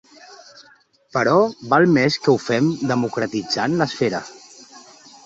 Però val més que ho fem democratitzant l’esfera.